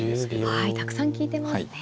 はいたくさん利いてますね。